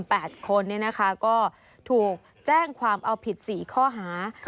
ก็มีแก่นนำ๘คนเนี่ยนะคะก็ถูกแจ้งความเอาผิด๔ข้อหา